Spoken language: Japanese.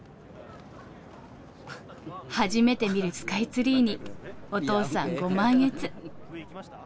初めて見るスカイツリーにお父さんご満悦。